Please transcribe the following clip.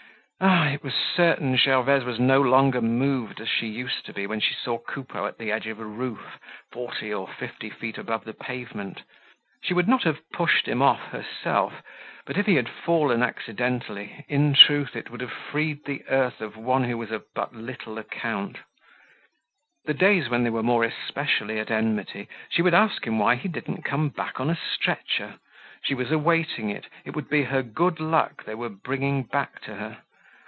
Ah! it was certain Gervaise was no longer moved as she used to be when she saw Coupeau at the edge of a roof forty or fifty feet above the pavement. She would not have pushed him off herself, but if he had fallen accidentally, in truth it would have freed the earth of one who was of but little account. The days when they were more especially at enmity she would ask him why he didn't come back on a stretcher. She was awaiting it. It would be her good luck they were bringing back to her.